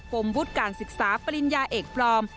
มวุฒิการศึกษาปริญญาเอกปลอม